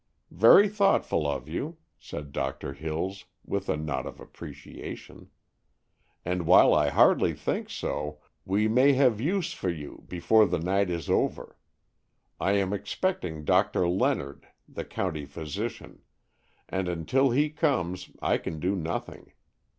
"Very thoughtful of you," said Doctor Hills, with a nod of appreciation; "and while I hardly think so, we may have use for you before the night is over. I am expecting Doctor Leonard, the county physician, and until he comes I can do nothing.